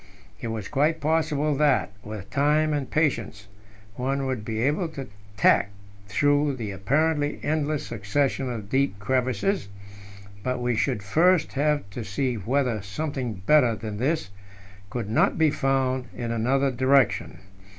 It was quite possible that, with time and patience, one would be able to tack through the apparently endless succession of deep crevasses; but we should first have to see whether something better than this could not be found in another direction.